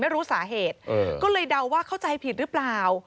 ไม่รู้สาเหตุก็เลยเดาว่าเข้าใจผิดหรือเปล่า